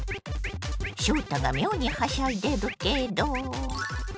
翔太が妙にはしゃいでるけど。